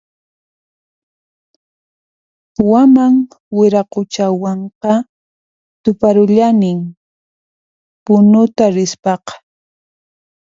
Waman Wiraquchawanqa tuparullanin Punuta rispaqa